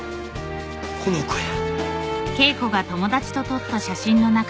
この子や。